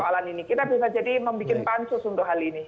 kita bisa jadi membuat pancus untuk hal ini